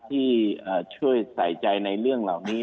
ที่ช่วยใส่ใจในเรื่องเหล่านี้